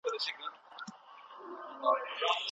حکومتونو په تيرو وختونو کې مينځې ازادې کړې.